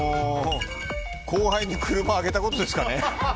後輩に車あげたことですかね。